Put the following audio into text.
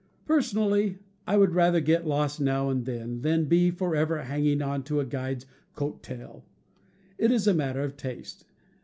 Personally, I would rather get lost now and then than be forever hanging on to a guide's coat tail. It is a matter of taste.